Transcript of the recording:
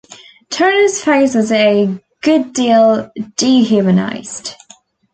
Turner's face was a good deal dehumanized.